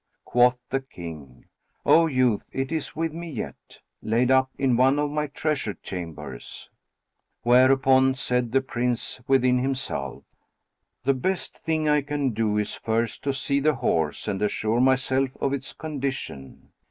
Quoth the King, "O youth, it is with me yet, laid up in one of my treasure chambers," whereupon said the Prince within himself, "The best thing I can do is first to see the horse and assure myself of its condition.